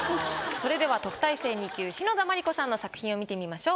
それでは特待生２級篠田麻里子さんの作品を見てみましょう。